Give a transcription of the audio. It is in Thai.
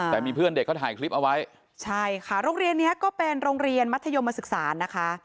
แต่มีเพื่อนเด็กเขาถ่ายคลิปเอาไว้ใช่ค่ะโรงเรียนนี้ก็เป็นโรงเรียนมัธยมศึกษานะคะ